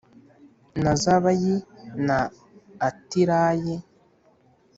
Na zabayi na atilayi